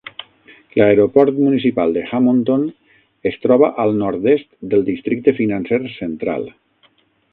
L'aeroport municipal de Hammonton es troba al nord-est del districte financer central.